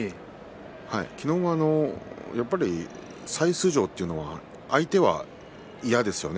昨日も、やはり再出場というのは相手は嫌ですよね。